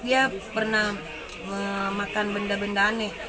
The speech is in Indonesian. dia pernah memakan benda benda aneh